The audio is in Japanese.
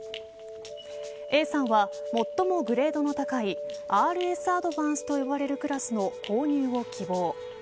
Ａさんは最もグレードの高いＲＳＡｄｖａｎｃｅと呼ばれるクラスの購入を希望。